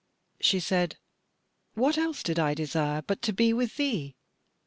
She said: "What else did I desire but to be with thee?